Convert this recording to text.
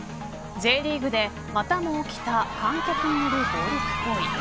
Ｊリーグでまたも起きた観客による暴力行為。